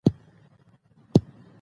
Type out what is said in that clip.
او اصلي احکام هم ورته وايي.